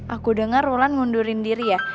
aku denger rulan mundurin diri ya